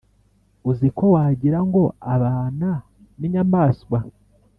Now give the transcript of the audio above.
uziko wagirango abana n’inyamaswa